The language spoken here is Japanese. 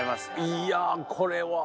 いやこれは。